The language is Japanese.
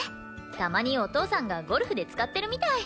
たまにお父さんがゴルフで使ってるみたい。